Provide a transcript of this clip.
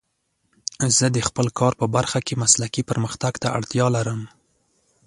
زه د خپل کار په برخه کې مسلکي پرمختګ ته اړتیا لرم.